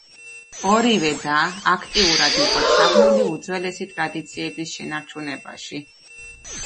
ორივე და აქტიურად იყო ჩაბმული უძველესი ტრადიციების შენარჩუნებაში.